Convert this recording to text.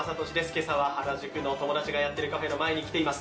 今朝は原宿の友達がやってるカフェの前に来ています。